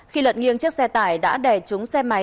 khi lật nghiêng chiếc xe tải đã đè chúng xe máy